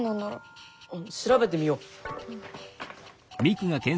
あっ調べてみよう。